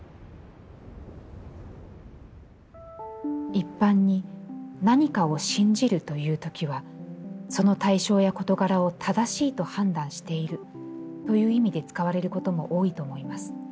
「一般に、何かを『信じる』と言うときは、その対象や事柄を『正しい』と判断しているという意味で使われることも多いと思います。